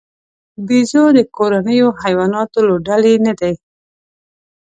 بیزو د کورنیو حیواناتو له ډلې نه دی.